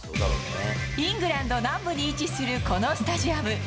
イングランド南部に位置する、このスタジアム。